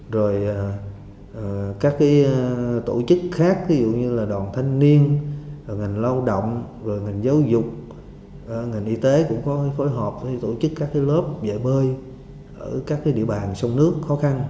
rồi các tổ chức khác ví dụ như là đoàn thanh niên ngành lao động ngành giáo dục ngành y tế cũng có phối hợp tổ chức các lớp dạy bơi ở các địa bàn sông nước khó khăn